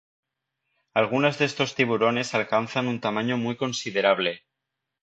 Algunos de estos tiburones alcanzan un tamaño muy considerable.